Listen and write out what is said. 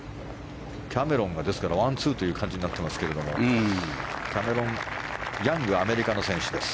キャメロンがワン、ツーという感じになっていますがキャメロン・ヤングはアメリカの選手です。